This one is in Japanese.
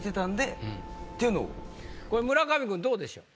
これ村上君どうでしょう？